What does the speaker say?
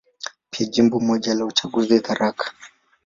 Pia Jimbo moja la uchaguzi, Tharaka.